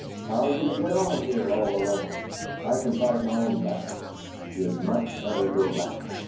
How are you to get on here all alone? I can fight my own battles. You'd much better go back."